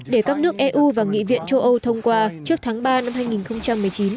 để các nước eu và nghị viện châu âu thông qua trước tháng ba năm hai nghìn một mươi chín